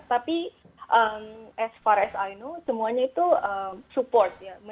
tapi as far as i know semuanya itu support ya